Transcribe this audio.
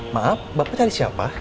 maaf bapak cari siapa